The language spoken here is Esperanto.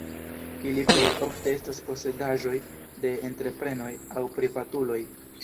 Ili plej ofte estas posedaĵoj de entreprenoj aŭ privatuloj.